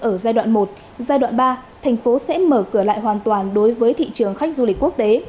ở giai đoạn một giai đoạn ba thành phố sẽ mở cửa lại hoàn toàn đối với thị trường khách du lịch quốc tế